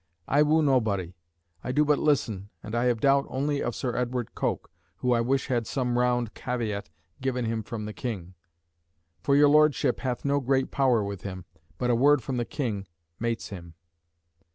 I woo nobody; I do but listen, and I have doubt only of Sir Edward Coke, who I wish had some round caveat given him from the King; for your Lordship hath no great power with him. But a word from the King mates him."